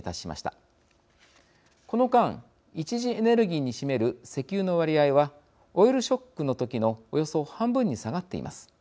この間１次エネルギーに占める石油の割合はオイルショックの時のおよそ半分に下がっています。